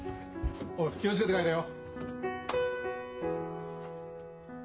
おい気を付けて帰れよ。